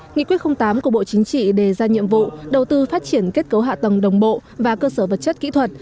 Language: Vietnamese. nghị quyết tám của bộ chính trị đề ra nhiệm vụ đầu tư phát triển kết cấu hạ tầng đồng bộ và cơ sở vật chất kỹ thuật